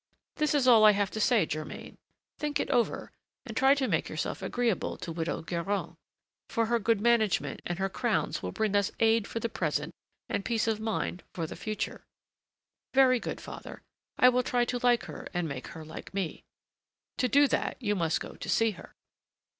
This is all I have to say, Germain; think it over, and try to make yourself agreeable to Widow Guérin; for her good management and her crowns will bring us aid for the present and peace of mind for the future." "Very good, father. I will try to like her and make her like me." "To do that you must go to see her."